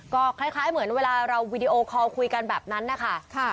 ก็คล้ายเหมือนเวลาเราวีดีโอคอลคุยกันแบบนั้นนะคะ